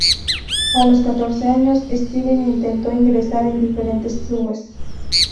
A los catorce años, Steven intentó ingresar en diferentes clubes.